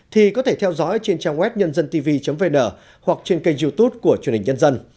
thì có thể theo dõi trên trang web nhân dân tv vn hoặc trên kênh youtube của truyền hình nhân dân